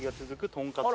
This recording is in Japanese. とんかつ。